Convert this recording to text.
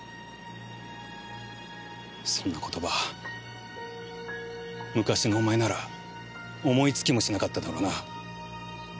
そんな言葉昔のお前なら思いつきもしなかっただろうな。